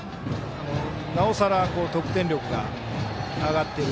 なおさら得点力が上がっている。